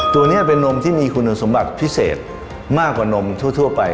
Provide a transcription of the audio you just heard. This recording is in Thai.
ตัวนี้เป็นนมที่มีคุณสมบัติพิเศษมากกว่านมทั่วไป